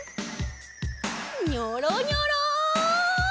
ニョロニョロ。